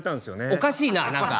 おかしいな何か！